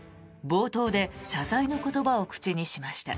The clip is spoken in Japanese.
冒頭で謝罪の言葉を口にしました。